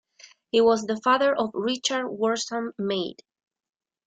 He was the father of Richard Worsam Meade.